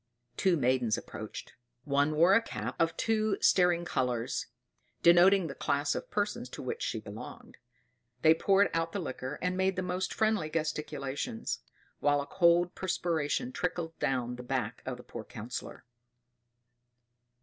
Two maidens approached. One wore a cap of two staring colors, denoting the class of persons to which she belonged. They poured out the liquor, and made the most friendly gesticulations; while a cold perspiration trickled down the back of the poor Councillor.